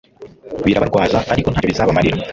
birabarwaza ariko nta cyo bizabamarira